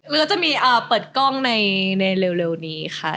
แล้วก็จะมีเปิดกล้องในเร็วนี้ค่ะ